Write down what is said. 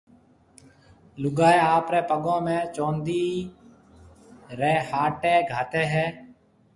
لوگائيَ آپريَ پگون ۾ چوندِي ريَ ھاٽَي گھاتيَ ھيَََ